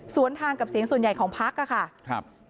สวนทางกับเสียงส่วนใหญ่ของพลักษณ์